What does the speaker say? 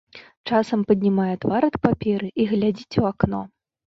Часам паднімае твар ад паперы і глядзіць у акно.